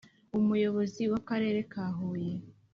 Umuyobozi w’Akarere ka Huye,